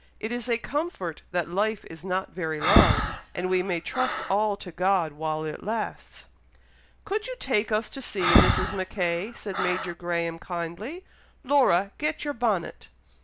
It is a comfort that life is not very long, and we may trust all to God while it lasts." "Could you take us to see Mrs. Mackay?" said Major Graham, kindly. "Laura, get your bonnet."